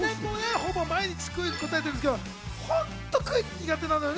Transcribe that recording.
ほぼ毎日クイズ答えてるんですけどホントクイズ苦手なのよね